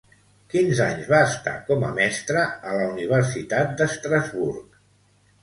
Quins anys va estar com a mestre a la Universitat d'Estrasburg?